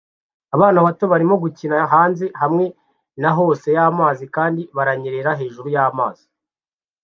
Abana bato barimo gukinira hanze hamwe na hose y'amazi kandi baranyerera hejuru y'amazi